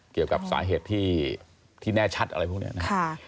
เกี่ยวกับสาเหตุที่แน่ชัดอะไรพวกนี้นะ